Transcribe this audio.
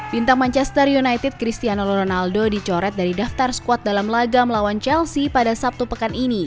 bintang manchester united cristiano ronaldo dicoret dari daftar squad dalam laga melawan chelsea pada sabtu pekan ini